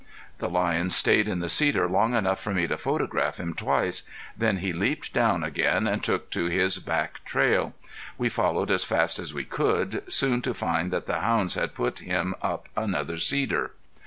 The lion stayed in the cedar long enough for me to photograph him twice, then he leaped down again and took to his back trail. We followed as fast as we could, soon to find that the hounds had put him up another cedar.